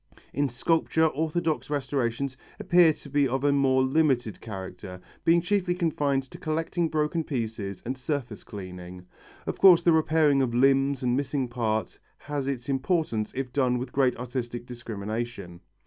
In sculpture orthodox restorations appear to be of a more limited character, being chiefly confined to collecting broken pieces and surface cleaning. Of course the repairing of limbs and missing parts has its importance if done with great artistic discrimination.